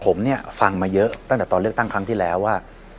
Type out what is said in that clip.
ผมเนี่ยฟังมาเยอะตั้งแต่ตอนเลือกตั้งครั้งที่แล้วว่า